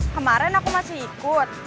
kemaren aku masih ikut